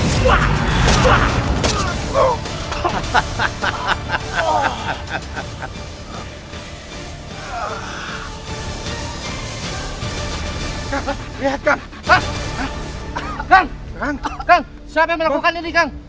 kang siapa yang melakukan ini kang